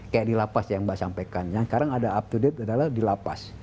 kayak di lapas yang mbak sampaikan yang sekarang ada up to date adalah di lapas